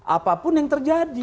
apapun yang terjadi